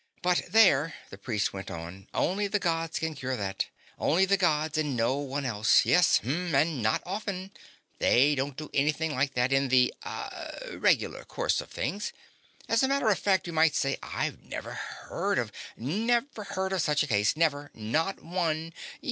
"But there," the priest went on. "Only the Gods can cure that. Only the Gods and no one else. Yes. Hm. And not often. They don't do anything like that in the ah regular course of things. As a matter of fact, you might say, I've never heard of never heard of such a case. Never. Not one.